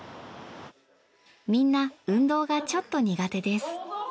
みんな運動がちょっと苦手です。